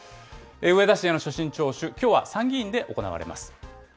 植田氏への所信聴取、きょうは参議院で行われます。